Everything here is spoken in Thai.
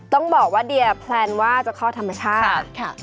ต้องบอกว่าเดียแพลนว่าจะคลอดธรรมชาติค่ะ